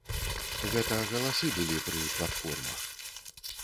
Гэта галасы былі пры платформах.